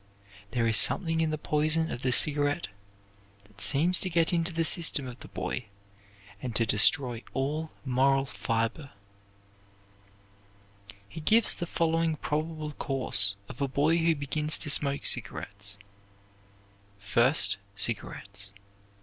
There is something in the poison of the cigarette that seems to get into the system of the boy and to destroy all moral fiber." He gives the following probable course of a boy who begins to smoke cigarettes: "First, cigarettes.